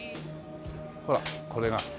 ほらこれが。